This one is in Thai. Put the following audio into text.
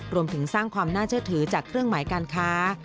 รวมถึงสร้างความน่าเชื่อถือจากเครื่องหมายการค้า